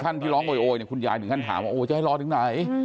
คุณยายถึงขั้นที่ร้องโอ๊ยคุณยายถึงขั้นถามว่าโอ๊ยจะให้รอถึงไหน